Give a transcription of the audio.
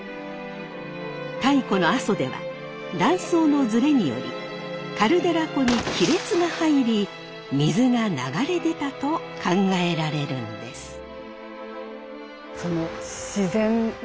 太古の阿蘇では断層のズレによりカルデラ湖に亀裂が入り水が流れ出たと考えられるんです。